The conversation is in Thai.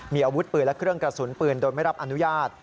มีอาวุธปืนและเครื่องกระสุนปืนโดยไม่รับอนุญาต